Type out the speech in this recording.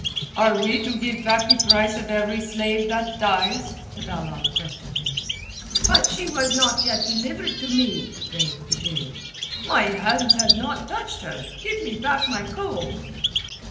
"Are we to give back the price of every slave that dies?" the dalal questioned him. "But she was not yet delivered to me," raved the Jew. "My hands had not touched her. Give me back my gold."